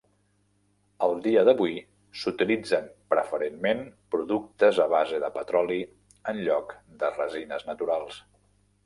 Al dia d'avui s'utilitzen preferentment productes a base de petroli en lloc de resines naturals.